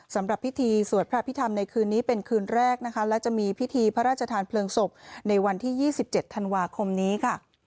สำหรับพิธีสวดพระพิธรรมในคืนนี้เป็นคืนแรกนะคะและจะมีพิธีพระราชทานเพลิงศพในวันที่๒๗ธันวาคมนี้ค่ะ